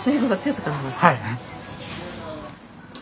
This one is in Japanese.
はい。